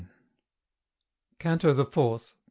CANTO THE FOURTH.